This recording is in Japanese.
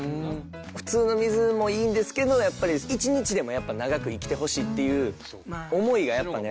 普通の水もいいんですけどやっぱり１日でも長く生きてほしいっていう思いがやっぱね。